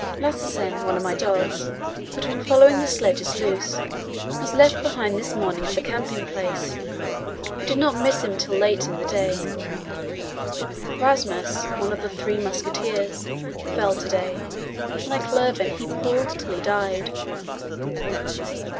Lassesen, one of my dogs, who had been following the sledges loose, was left behind this morning at the camping place; we did not miss him till late in the day. Rasmus, one of the "Three Musketeers," fell to day. Like Lurven, he pulled till he died.